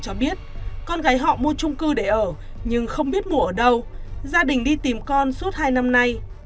cho biết con gái họ mua trung cư để ở nhưng không biết mua ở đâu gia đình đi tìm con suốt hai năm nay